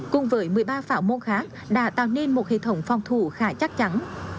cùng với một mươi ba phảo môn khác đã tạo nên một hệ thống phòng thủ khá chắc chắn